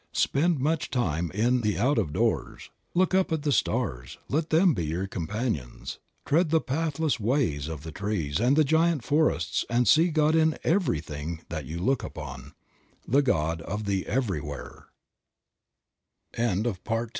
Spend much time in the out of doors ; look up at the stars ; let them be your companions; tread the pathless ways of the trees and the giant forests and see God in everything that you look upon, the God of the ever